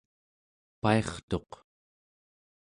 pairtuq